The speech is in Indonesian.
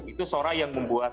itu sora yang membuat